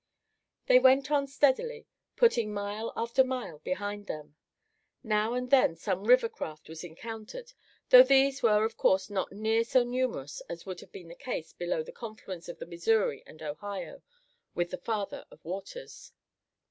They went on steadily, putting mile after mile behind them. Now and then some river craft was encountered, though these were of course not near so numerous as would have been the case below the confluence of the Missouri and Ohio with the Father of Waters.